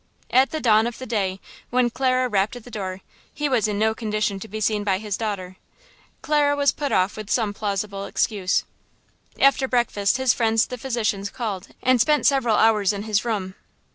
At the dawn of the day, when Clara rapped at the door, he was in no condition to be seen by his daughter. Clara was put off with some plausible excuse. After breakfast his friends the physicians called and spent several hours in his room.